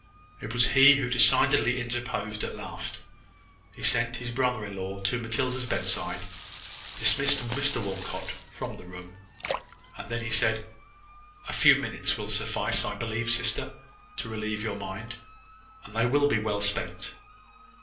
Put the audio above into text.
It was he who decidedly interposed at last. He sent his brother in law to Matilda's bedside, dismissed Mr Walcot from the room, and then said "A very few minutes will suffice, I believe, sister, to relieve your mind: and they will be well spent.